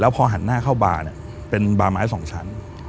พอหันหน้าเข้าบาร์เนี่ยเป็นบาไม้สองชั้น